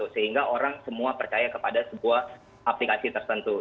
sehingga orang semua percaya kepada sebuah aplikasi tertentu